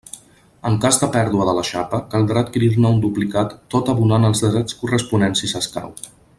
En cas de pèrdua de la xapa, caldrà adquirir-ne un duplicat tot abonant els drets corresponents si s'escau.